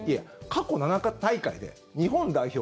過去７大会で日本代表